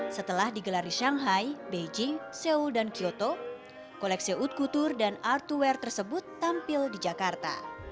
setelah digelar di shanghai beijing seoul dan kyoto koleksi utkutur dan artware tersebut tampil di jakarta